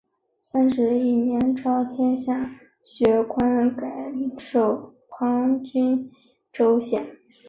三十一年诏天下学官改授旁郡州县。